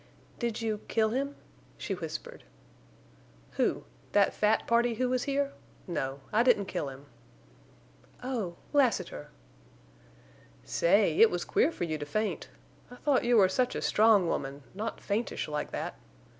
"Did—you—kill—him?" she whispered. "Who? That fat party who was here? No. I didn't kill him." "Oh!... Lassiter!" "Say! It was queer for you to faint. I thought you were such a strong woman, not faintish like that.